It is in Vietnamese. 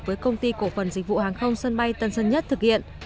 với công ty cổ phần dịch vụ hàng không sân bay tân sơn nhất thực hiện